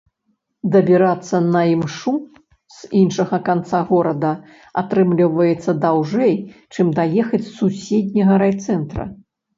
Дабірацца на імшу з іншага канца горада атрымліваецца даўжэй, чым даехаць з суседняга райцэнтра.